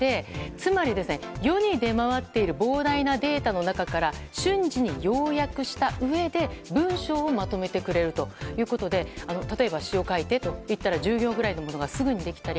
つまり、世に出回っている膨大なデータの中から瞬時に要約したうえで、文章をまとめてくれるということで例えば詩を書いてと言ったら１０行ぐらいのものがすぐにできたり